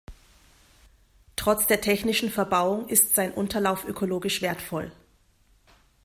Trotz der technischen Verbauung ist sein Unterlauf ökologisch wertvoll.